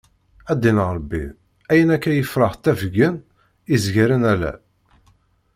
A ddin Ṛebbi ayen akka ifrax ttafgen izgaren ala.